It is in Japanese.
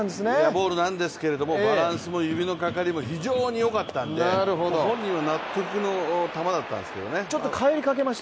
ボールなんですけれども、バランスも指のかかりも非常によかったんで、本人は納得の球だったんですけどね。